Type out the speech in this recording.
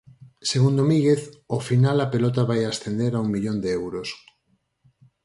Segundo Míguez "ao final a pelota vai ascender a un millón de euros".